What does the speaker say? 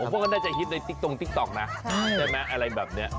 พวกก็น่าจะฮิตในติ๊กโต๊คนะใช่ไหมอะไรแบบนี้